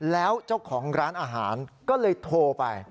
แล้วเจ้าของร้านอาหารก็เลยโทรไป